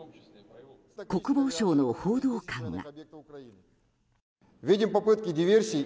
国防省の報道官が。